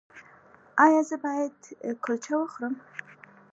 ایا زه باید کلچه وخورم؟